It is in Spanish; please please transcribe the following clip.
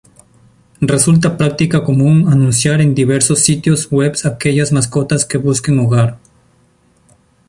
Resulta práctica común anunciar en diversos sitios webs aquellas mascotas que busquen hogar.